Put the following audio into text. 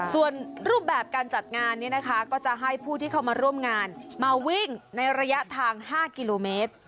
ส่วนรูปแบบการจัดงานนี้นะคะก็จะให้ผู้ที่เข้ามาร่วมงานมาวิ่งในระยะทาง๕กิโลเมตร